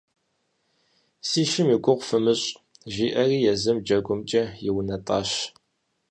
«Си шым и гугъу фымыщӀ», – жиӀэри езым джэгумкӀэ иунэтӀащ.